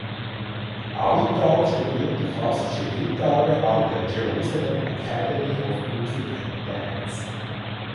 Avital studierte klassische Gitarre an der Jerusalem Academy of Music and Dance.